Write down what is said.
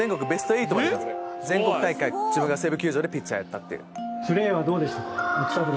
全国大会自分が西武球場でピッチャーやった。